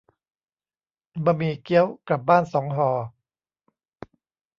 บะหมี่เกี๊ยว กลับบ้านสองห่อ